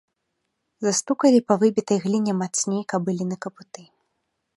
Застукалі па выбітай гліне мацней кабыліны капыты.